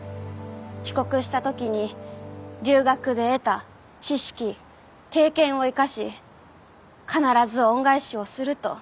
帰国した時に留学で得た知識経験を生かし必ず恩返しをすると誓いました。